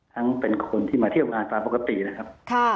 เป็นคนที่มาเที่ยวงานตามปกตินะครับ